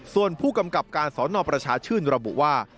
ส่วนผู้กำกับการสนประชาชื่นระบุว่า